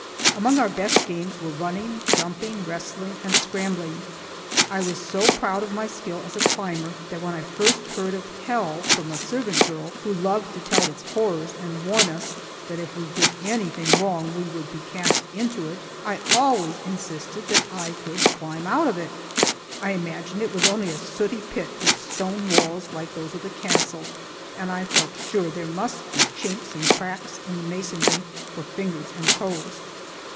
Among our best games were running, jumping, wrestling, and scrambling. I was so proud of my skill as a climber that when I first heard of hell from a servant girl who loved to tell its horrors and warn us that if we did anything wrong we would be cast into it, I always insisted that I could climb out of it. I imagined it was only a sooty pit with stone walls like those of the castle, and I felt sure there must be chinks and cracks in the masonry for fingers and toes.